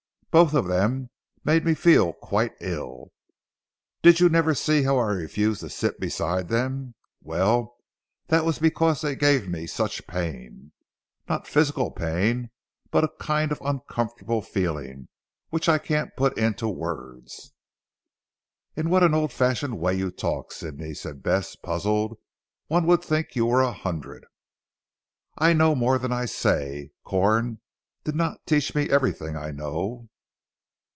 Both of them made me feel quite ill. Did you never see how I refused to sit beside them? Well, that was because they gave me such pain. Not physical pain but a kind of uncomfortable feeling, which I can't put into words." "In what an old fashioned way you talk Sidney," said Bess puzzled, "one would think you were a hundred." "I know more than I say. Corn did not teach me everything I know!